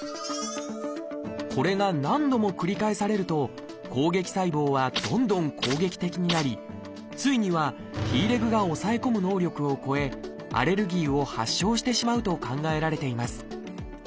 これが何度も繰り返されると攻撃細胞はどんどん攻撃的になりついにはＴレグが抑え込む能力を超えアレルギーを発症してしまうと考えられています。